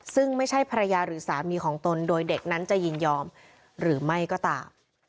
ซึ่งไม่ใช่ภรรยาหรือสามีของตนโดยเด็กนั้นจะยินยอมหรือไม่ก็ตาม